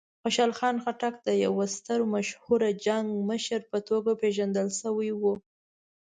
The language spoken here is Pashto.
خوشحال خان خټک د یوه ستر مشهوره جنګي مشر په توګه پېژندل شوی و.